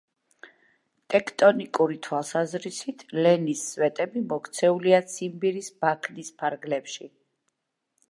ტექტონიკური თვალსაზრისით, „ლენის სვეტები“ მოქცეულია ციმბირის ბაქნის ფარგლებში.